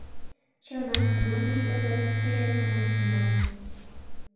Чынак, кунам ме кызыт терысым луктына?